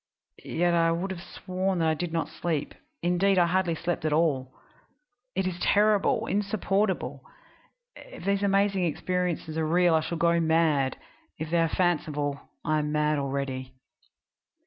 Yet I would have sworn that I did not sleep indeed, I hardly sleep at all. It is terrible, insupportable! If these amazing experiences are real I shall go mad; if they are fanciful I am mad already.